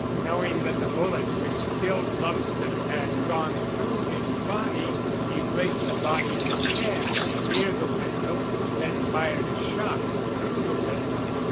Knowing that the bullet which killed Lumsden had gone through his body, he placed the body in a chair near the window and then fired a shot through the window.